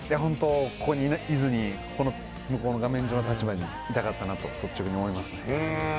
ここにいずに、向こうの画面上の立場にいたかったと、率直に思います。